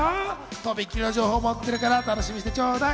とびきりの情報を持ってるから楽しみにしてちょうだい。